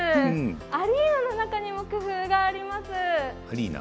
アリーナの中にも工夫があります。